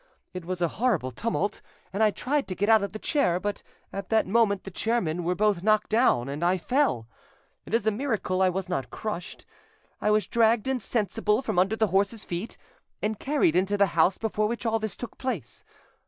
It was a horrible tumult, and I tried to get out of the chair, but at that moment the chairmen were both knocked down, and I fell. It is a miracle I was not crushed. I was dragged insensible from under the horses' feet and carried into the house before which all this took place.